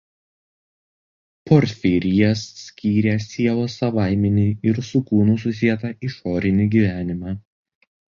Porfirijas skyrė sielos savaiminį ir su kūnu susietą išorinį gyvenimą.